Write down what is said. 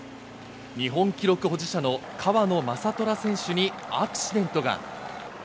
日本記録保持者の川野将虎選手にアクシデントが。